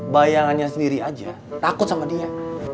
bayangannya sendiri aja takut sama dia